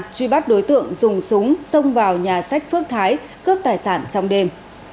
truy bắt đối tượng dùng súng xông vào nhà sách phước thái cướp tài sản trong đêm